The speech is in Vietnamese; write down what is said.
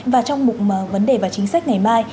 và trong vấn đề và chính sách ngày mai